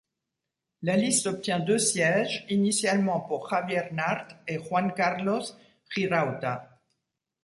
La liste obtient deux sièges, initialement pour Javier Nart et Juan Carlos Girauta.